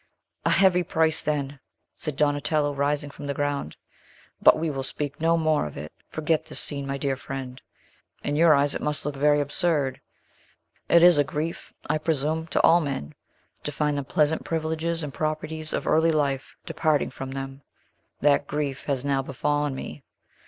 "A heavy price, then!" said Donatello, rising from the ground. "But we will speak no more of it. Forget this scene, my dear friend. In your eyes, it must look very absurd. It is a grief, I presume, to all men, to find the pleasant privileges and properties of early life departing from them. That grief has now befallen me.